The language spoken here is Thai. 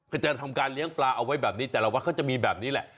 จะทำการเลี้ยงปลาเอาไว้แบบนี้แต่ละวัดเขาจะมีแบบนี้แหละ